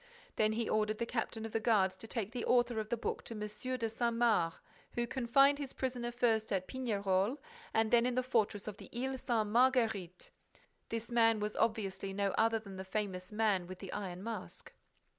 Then he ordered the captain of the guards to take the author of the book to M. de Saint Mars, who confined his prisoner first at Pignerol and then in the fortress of the Ile Sainte Marguerite. This man was obviously no other than the famous Man with the Iron Mask.